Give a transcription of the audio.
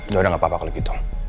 yaudah gapapa kalau gitu